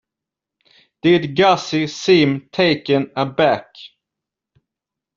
Did Gussie seem taken aback?